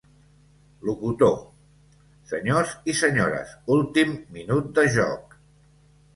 Locutor: Senyors i senyores, últim minut de joc!